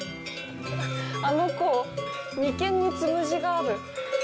あの子、眉間につむじがある。